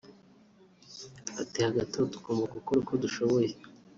Ati “hagati aho tugomba gukora uko dushoboye